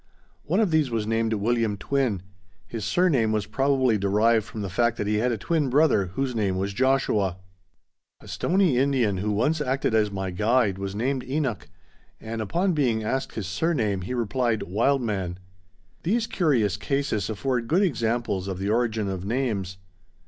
One of these was named William Twin; his surname was probably derived from the fact that he had a twin brother, whose name was Joshua. A Stoney Indian who once acted as my guide was named Enoch; and upon being asked his surname he replied, "Wildman." These curious cases afford good examples of the origin of names.